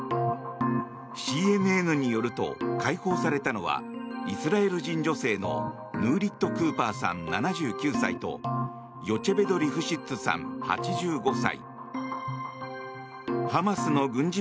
ＣＮＮによると、解放されたのはイスラエル人女性のヌーリット・クーパーさん７９歳とヨチェベド・リフシッツさん８５歳。